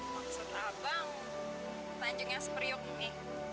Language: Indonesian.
maksudnya bang lanjutnya semeryok ini